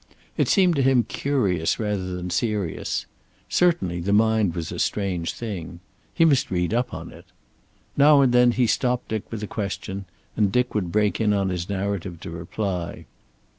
It seemed to him curious rather than serious. Certainly the mind was a strange thing. He must read up on it. Now and then he stopped Dick with a question, and Dick would break in on his narrative to reply.